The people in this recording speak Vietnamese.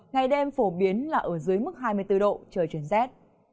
ngày đêm phổ biến là ở dưới mức hai mươi bốn độ trời chuyển rét